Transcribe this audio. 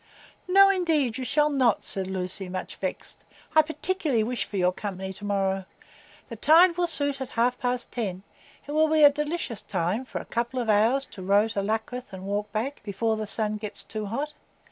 "No, indeed, you shall not," said Lucy, much vexed. "I particularly wish for your company to morrow. The tide will suit at half past ten; it will be a delicious time for a couple of hours to row to Luckreth and walk back, before the sun gets too hot.